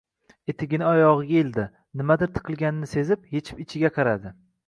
Etigini oyogʻiga ildi, nimadir tiqilganini sezib, yechib ichiga qaradi